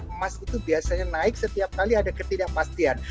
emas itu biasanya naik setiap kali ada ketidakpastian